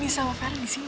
sini sama feren di sini